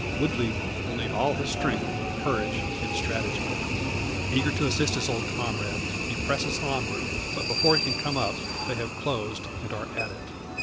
Woodley will need all his strength, courage, and strategy. Eager to assist his old comrade, he presses onward; but, before he can come up, they have closed, and are at it.